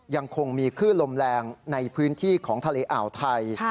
ยังคงมีคลื่นลมแรงในพื้นที่ของทะเลอ่าวไทย